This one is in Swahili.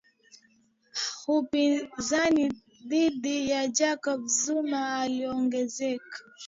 upinzani dhidi ya jacob zuma uliongezeka